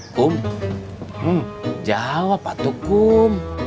kum jawab atuh kum